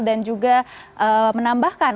dan juga menambahkan